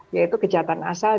yaitu kejahatan asal